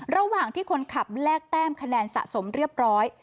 ระหว่างที่คนขับแลกแต้มคะแนนสะสมเรียบร้อย